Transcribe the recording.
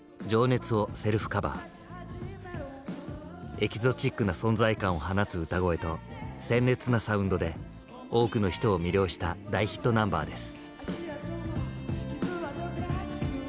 エキゾチックな存在感を放つ歌声と鮮烈なサウンドで多くの人を魅了した大ヒットナンバーです。